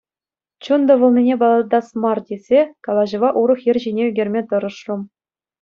Чун тӑвӑлнине палӑртас мар тесе, калаҫӑва урӑх йӗр ҫине ӳкерме тӑрӑшрӑм.